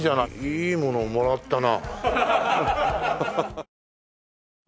いいものもらったな。